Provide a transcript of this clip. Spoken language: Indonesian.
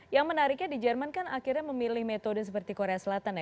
yang menariknya di jerman kan akhirnya memilih metode seperti korea selatan ya